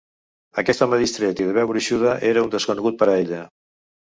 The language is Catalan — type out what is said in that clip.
Aquest home distret i de veu gruixuda era un desconegut per a ella.